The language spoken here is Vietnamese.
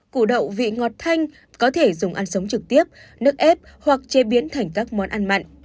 củ đậu vị ngọt thanh có thể dùng ăn sống trực tiếp nước ép hoặc chế biến thành các món ăn mặn